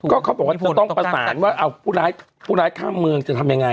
ก็เขาบอกว่าจะต้องประสานว่าผู้ร้ายข้ามเมืองจะทำยังไง